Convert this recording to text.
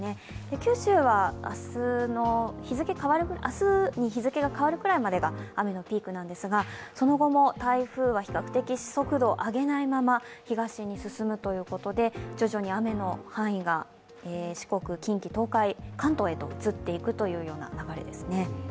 九州は明日に日付が変わるぐらいまでが雨のピークなんですが、その後も台風は比較的速度を上げないまま東に進むということで、徐々に雨の範囲が四国、近畿、東海、関東へと移っていくというような流れですね。